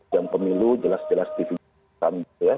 yang pemilu jelas jelas di finalisasi